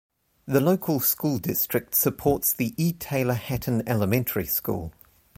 The local school district supports the E. Taylor Hatton Elementary School.